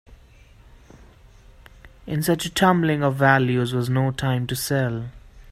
In such a tumbling of values was no time to sell.